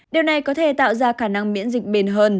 điều này có thể tạo ra khả năng miễn dịch bền hơn